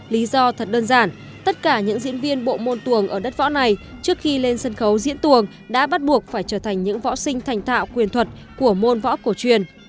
lý do thật đơn giản tất cả những diễn viên bộ môn tuồng ở đất võ này trước khi lên sân khấu diễn tuồng đã bắt buộc phải trở thành những võ sinh thành thạo quyền thuật của môn võ cổ truyền